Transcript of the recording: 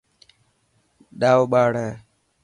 ڏائو ٻاڙ هي.